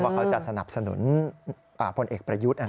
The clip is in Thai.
ว่าเขาจะสนับสนุนอ่าพลเอกประยุทธ์อ่ะนะ